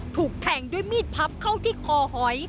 ถูกแทงด้วยมีดพับเข้าที่คอหอย